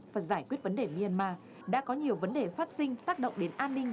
và giải quyết vấn đề myanmar đã có nhiều vấn đề phát sinh tác động đến an ninh